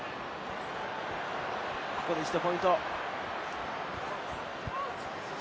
ここで一度ポイント。